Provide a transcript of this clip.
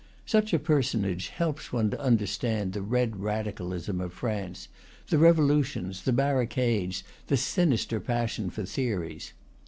Such a personage helps one to under stand the red radicalism of France, the revolutions, the barricades, the sinister passion for theories.